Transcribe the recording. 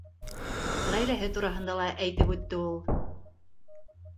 Ғаиләһе тураһында ла әйтеп үтте ул: